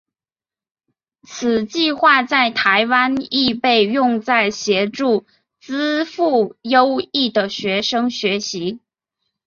此计画在台湾亦被用在协助资赋优异的学生学习。